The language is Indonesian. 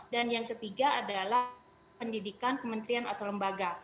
dan yang ketiga adalah pendidikan kementerian atau lembaga